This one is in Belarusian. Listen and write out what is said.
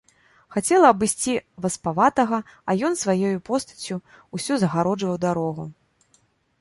Хацела абысці васпаватага, а ён сваёю постаццю ўсё загароджваў дарогу.